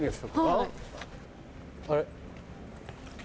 あれ？